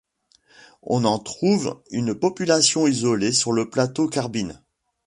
On en trouve une population isolée sur le plateau Carbine.